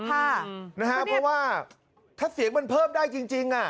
เพราะว่าถ้าเสียงมันเพิ่มได้จริง